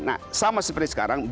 nah sama seperti sekarang